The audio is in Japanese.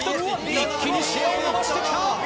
一気にシェアを伸ばして来た！